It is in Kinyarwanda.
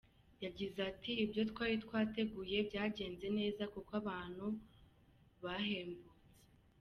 Yagize ati “Ibyo twari twateguye byagenze neza kuko abantu bahembutse.